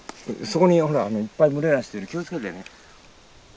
そこにほらいっぱい群れなしてる気をつけてね。